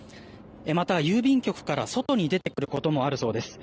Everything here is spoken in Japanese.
また、郵便局から外に出てくることもあるそうです。